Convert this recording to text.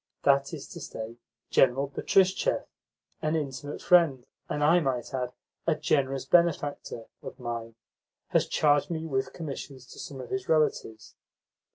That is to say, General Betristchev, an intimate friend, and, I might add, a generous benefactor, of mine, has charged me with commissions to some of his relatives.